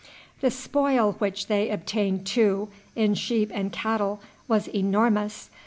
The spoil which they obtained, too, in sheep and cattle, was enormous.